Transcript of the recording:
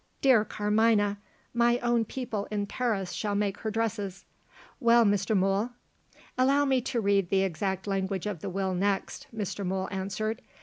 "Dear Carmina! my own people in Paris shall make her dresses. Well, Mr. Mool?" "Allow me to read the exact language of the Will next," Mr. Mool answered.